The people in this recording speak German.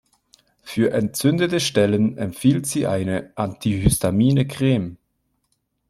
Für entzündete Stellen empfiehlt sie eine antihistamine Creme.